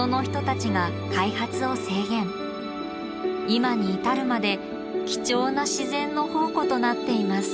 今に至るまで貴重な自然の宝庫となっています。